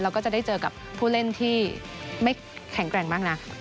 แล้วก็จะได้เจอกับผู้เล่นที่ไม่แข็งแกร่งมากนัก